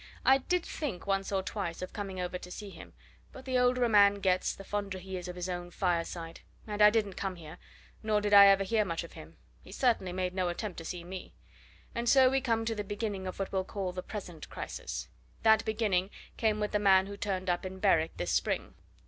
I did think, once or twice, of coming over to see him; but the older a man gets, the fonder he is of his own fireside and I didn't come here, nor did I ever hear much of him; he certainly made no attempt to see me. And so we come to the beginning of what we'll call the present crisis. That beginning came with the man who turned up in Berwick this spring."